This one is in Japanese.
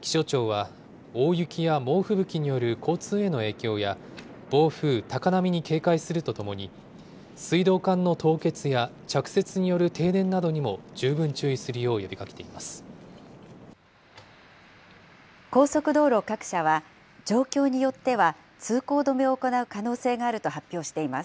気象庁は大雪や猛吹雪による交通への影響や暴風、高波に警戒するとともに、水道管の凍結や着雪による停電などにも十分注意するよう呼びかけています。